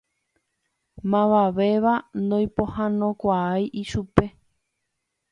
Mavavéva noipohãnokuaái ichupe.